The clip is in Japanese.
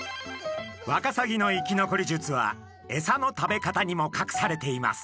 ワカサギの生き残り術はエサの食べ方にもかくされています。